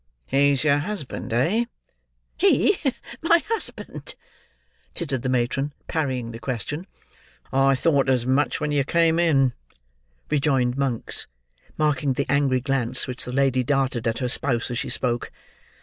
He's your husband, eh?" "He my husband!" tittered the matron, parrying the question. "I thought as much, when you came in," rejoined Monks, marking the angry glance which the lady darted at her spouse as she spoke.